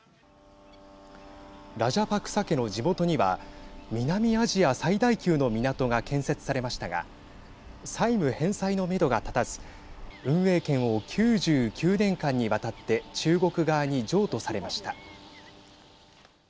ラジャパクサ家の地元には南アジア最大級の港が建設されましたが債務返済のめどが立たず運営権を９９年間にわたって中国側に譲渡されました。